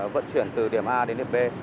vận chuyển từ điểm a đến điểm b